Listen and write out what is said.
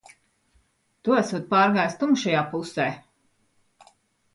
Tu esot pārgājis tumšajā pusē.